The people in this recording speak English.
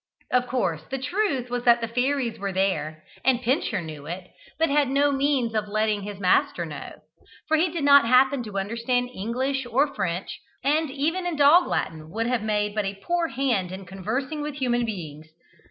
Of course the truth was that the fairies were there, and Pincher knew it, but had no means of letting his master know, for he did not happen to understand English or French, and even in Dog Latin would have made but a poor hand in conversing with human beings.